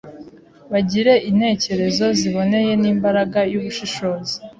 bagire intekerezo ziboneye, n’imbaraga y’ubushishozi,